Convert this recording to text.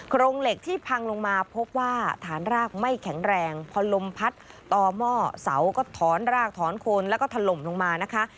โรงเหล็กที่พังลงมาพบว่าฐานรากไม่แข็งแรงพอลมพัดต่อหม้อเสาก็ถอนรากถอนโคนแล้วก็ถล่มลงมานะคะ